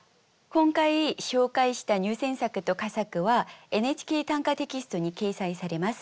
今回紹介した入選作と佳作は「ＮＨＫ短歌」テキストに掲載されます。